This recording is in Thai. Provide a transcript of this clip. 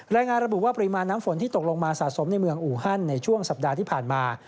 รายงานระบุว่าปริมาณน้ำฝนที่ตกลงมาสะสมในเมืองอูฮันในช่วงสัปดาห์ที่ผ่านมา